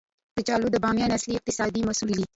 کچالو د بامیان اصلي اقتصادي محصول دی